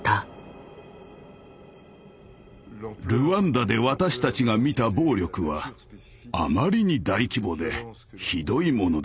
ルワンダで私たちが見た暴力はあまりに大規模でひどいものでした。